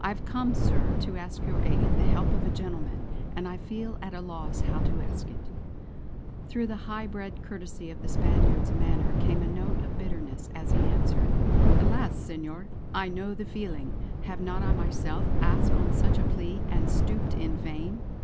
"I have come, Sir, to ask your aid, the help of a gentleman; and I feel at a loss how to ask it." Through the high bred courtesy of the Spaniard's manner came a note of bitterness, as he answered: "Alas! Senor, I know the feeling. Have not I myself asked on such a plea; and stooped in vain!"